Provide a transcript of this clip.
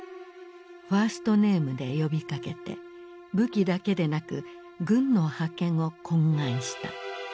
ファーストネームで呼びかけて武器だけでなく軍の派遣を懇願した。